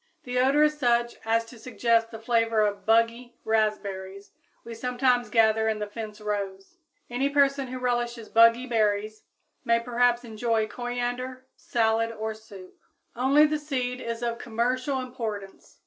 The odor is such as to suggest the flavor of "buggy" raspberries we sometimes gather in the fence rows. Any person who relishes buggy berries may perhaps enjoy coriander salad or soup. Only the seed is of commercial importance.